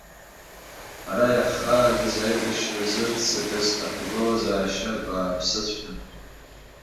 Ҳара иаҳхаагаз аибашьра зырццакыз аҭагылазаашьа бааԥсыҵәҟьан.